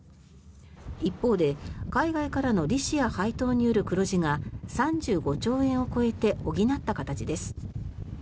一方で海外からの利子や配当による黒字が３５兆円を超えて補った形です。